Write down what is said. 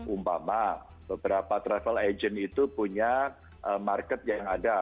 umpama beberapa travel agent itu punya market yang ada